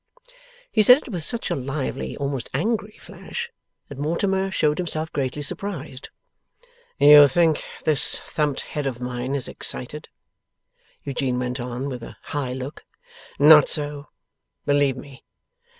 He said it with such a lively almost angry flash, that Mortimer showed himself greatly surprised. 'You think this thumped head of mine is excited?' Eugene went on, with a high look; 'not so, believe me.